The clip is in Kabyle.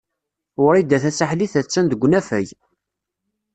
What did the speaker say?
Wrida Tasaḥlit a-tt-an deg unafag.